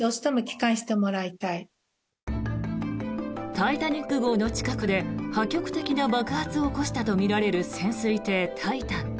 「タイタニック号」の近くで破局的な爆発を起こしたとみられる潜水艇「タイタン」。